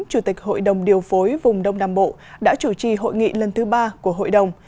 chủ tịch hội đồng điều phối vùng đông nam bộ đã chủ trì hội nghị lần thứ ba của hội đồng